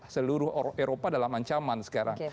seluruh eropa dalam ancaman sekarang